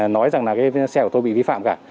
nói rằng là cái xe của tôi bị vi phạm cả